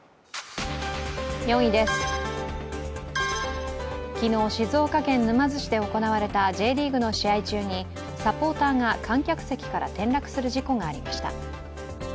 ４位です、昨日静岡県沼津市で行われたＪリーグの試合中にサポーターが観客席から転落する事故がありました。